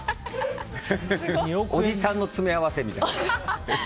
おじさんの詰め合わせみたいな。